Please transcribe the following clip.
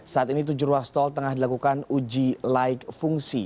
saat ini tujuh ruas tol tengah dilakukan uji laik fungsi